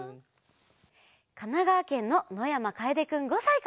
かながわけんののやまかえでくん５さいから。